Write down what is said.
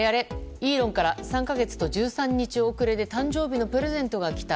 イーロンから３か月と１３日遅れで誕生日のプレゼントがきた。